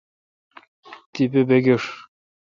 تیپہ بگیݭ ۔